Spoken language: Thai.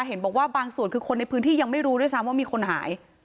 เห็นบอกว่าบางส่วนคือคนในพื้นที่ยังไม่รู้ด้วยซ้ำว่ามีคนหาย